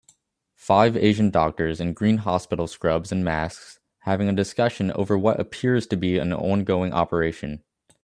Five Asian doctors in green hospital scrubs and masks having a discussion over what appears to be an ongoing operation